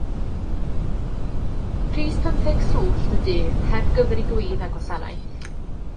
Pris pymtheg swllt y dydd, heb gyfri gwin a gwasanaeth.